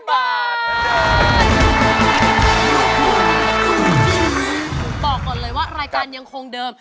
บอกก่อนเลยว่ารายการยังคงเดิม